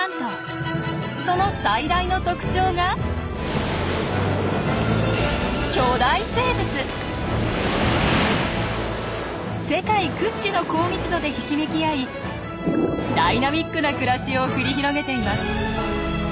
その最大の特徴が世界屈指の高密度でひしめき合いダイナミックな暮らしを繰り広げています。